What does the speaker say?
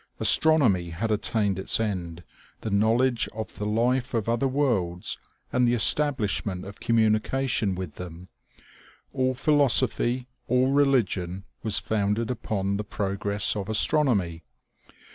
Astronomy had attained its end : the knowledge of the life of other worlds and the establishment of communica tion with them. All philosophy, all religion, was founded upon the progress of astronomy.